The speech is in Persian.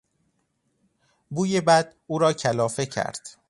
بوی بد او را کلافه کرد.